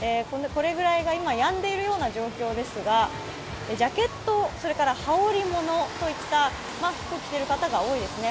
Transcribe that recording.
今やんでいるような状況ですが、ジャケット、羽織りものといったものを着てる方が多いですね。